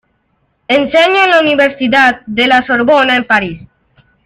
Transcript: Enseñó en la Universidad de la Sorbona en Paris.